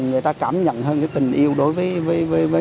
người ta cảm nhận hơn cái tình yêu đối với